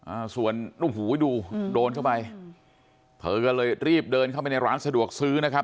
อ่าส่วนนุ่มหูให้ดูอืมโดนเข้าไปเธอก็เลยรีบเดินเข้าไปในร้านสะดวกซื้อนะครับ